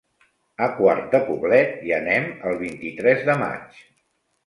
A Quart de Poblet hi anem el vint-i-tres de maig.